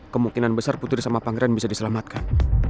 kemungkinan besar putri sama pangeran bisa diselamatkan